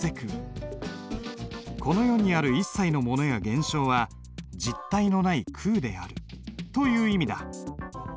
この世にある一切のものや現象は実体のない空であるという意味だ。